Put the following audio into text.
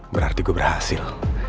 berarti gue berhasil